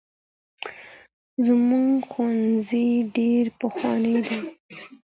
زموږ ښوونځی ډېر پخوانی دی.